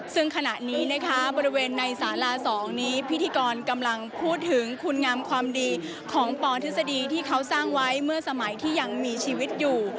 ซึ่งขณะนี้นะคะบริเวณในสาลา๒นี้พิธีกรกำลังพูดถึงคุณงามความดีของปทฤษฎีที่เขาสร้างไว้เมื่อสมัยที่ยังมีชีวิตอยู่